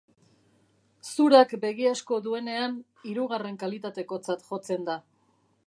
Zurak begi asko duenean hirugarren kalitatekotzat jotzen da.